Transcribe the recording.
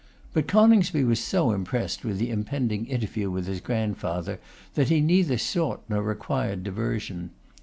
But Coningsby was so impressed with the impending interview with his grandfather, that he neither sought nor required diversion.